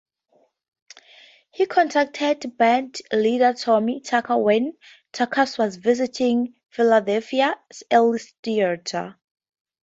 He contacted bandleader Tommy Tucker when Tucker was visiting Philadelphia's Earle Theatre.